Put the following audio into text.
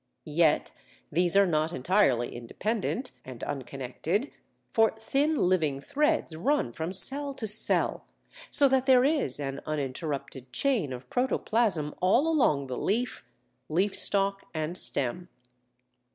Yet these are not entirely independent and unconnected, for thin living threads run from cell to cell, so that there is an uninterrupted chain of protoplasm all along the leaf, leaf stalk, and stem.